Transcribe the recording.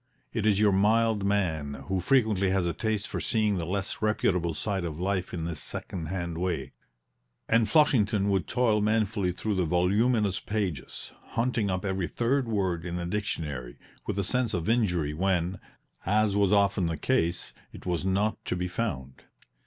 It is your mild man, who frequently has a taste for seeing the less reputable side of life in this second hand way, and Flushington would toil manfully through the voluminous pages, hunting up every third word in the dictionary; with a sense of injury when, as was often the case, it was not to be found.